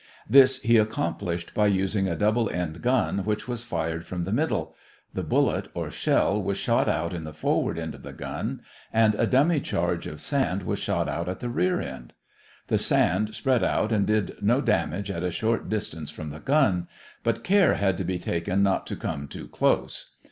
This he accomplished by using a double end gun, which was fired from the middle. The bullet or shell was shot out at the forward end of the gun and a dummy charge of sand was shot out at the rear end. The sand spread out and did no damage at a short distance from the gun, but care had to be taken not to come too close.